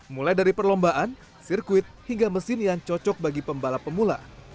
mulai dari perlombaan sirkuit hingga mesin yang cocok bagi pembalap pemula